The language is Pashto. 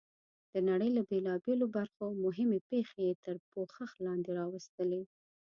د نړۍ له بېلابېلو برخو مهمې پېښې یې تر پوښښ لاندې راوستلې.